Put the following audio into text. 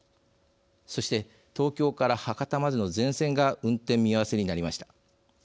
そして東京から博多までの全線が運転見合わせになりました。